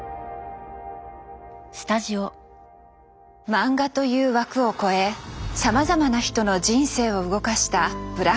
漫画という枠を超えさまざまな人の人生を動かした「ブラック・ジャック」。